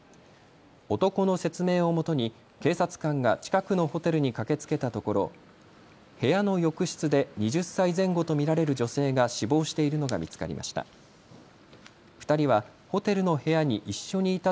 男の説明をもとに警察官が近くのホテルに駆けつけたところ、部屋の浴室で２０歳前後と見られる女性が死亡しているのが見つかりました。